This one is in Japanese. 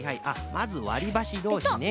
まずわりばしどうしね。